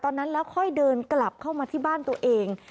ตอนนั้นแล้วค่อยเดินกลับเข้ามาที่บ้านตัวเอง